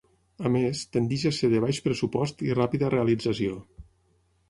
A més, tendeix a ser de baix pressupost i ràpida realització.